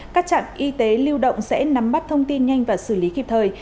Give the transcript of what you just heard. các trạm y tế lưu động sẽ nắm bắt thông tin nhanh và xử lý kịp thời